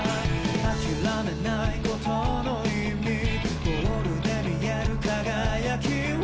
「諦めないことの意味」「ゴールで見える輝きを」